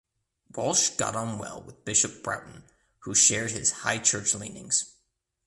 Walsh got on well with Bishop Broughton who shared his High Church leanings.